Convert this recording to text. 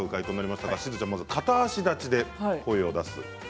しずちゃんが片足立ちで声を出す。